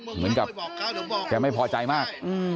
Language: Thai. เหมือนกับแกไม่พอใจมาก